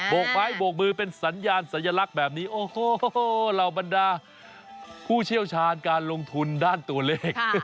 กไม้โบกมือเป็นสัญญาณสัญลักษณ์แบบนี้โอ้โหเหล่าบรรดาผู้เชี่ยวชาญการลงทุนด้านตัวเลข